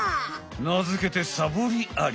なづけてサボりアリ！